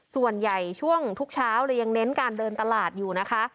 ส่วนใหญ่ช่วงทุกเช้าเลยยังเน้นการเดินตลาดอยู่นะคะ